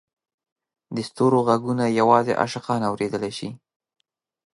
د ستورو ږغونه یوازې عاشقان اورېدلای شي.